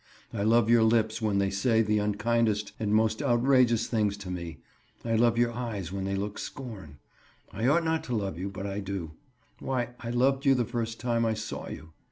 I love your lips when they say the unkindest and most outrageous things to me. I love your eyes when they look scorn. I ought not to love you, but I do. Why, I loved you the first time I saw you.